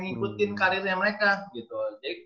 ngikutin karirnya mereka gitu